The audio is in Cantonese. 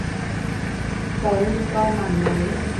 就會再問你